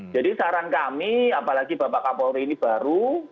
jadi kemudian kemudian akan kami apalagi bapak kapolri ini baru